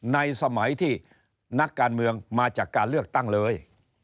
ในสมัยที่นักการเมืองมาจากการเลือกตั้งเลย